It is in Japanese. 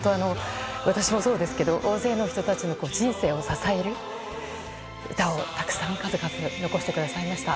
私もそうですけど大勢の人たちの人生を支える歌をたくさん数々残してくださいました。